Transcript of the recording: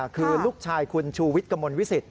คือลูกชายคุณชูวิทย์กระมวลวิสิต